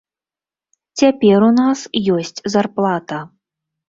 Цяпер у нас ёсць зарплата.